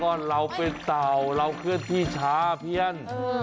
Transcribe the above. ก็เราเป็นเต่าเราเคลื่อนที่ช้าเพี้ยน